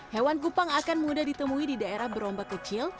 hewan kupang akan mudah ditemui di daerah berombak kecil